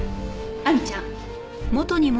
亜美ちゃん。